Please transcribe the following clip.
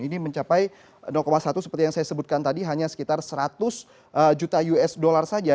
ini mencapai satu seperti yang saya sebutkan tadi hanya sekitar seratus juta usd saja